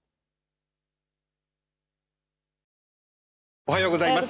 おはようございます。